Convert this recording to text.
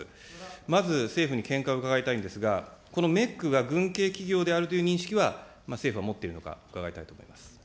まず政府に見解を伺いたいんですが、このメックが軍系企業であるという認識は、政府は持っているのか伺いたいと思います。